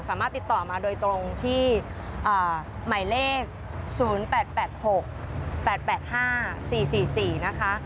สามารถติดต่อมาโดยตรงที่หมายเลข๐๘๘๖๘๘๕๔๔๔นะคะ